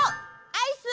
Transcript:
アイス！